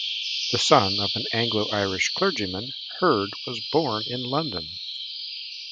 The son of an Anglo-Irish clergyman, Heard was born in London.